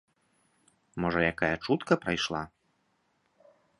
Можа якая чутка прайшла?